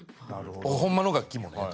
ホンマの楽器もね。